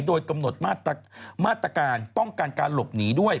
โดยกำหนดมาตรการป้องกันการหลบหนีด้วย